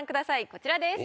こちらです。